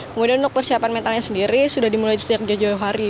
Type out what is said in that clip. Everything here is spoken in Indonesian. kemudian untuk persiapan mentalnya sendiri sudah dimulai setiap setiap hari